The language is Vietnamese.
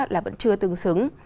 là vẫn chưa tương xứng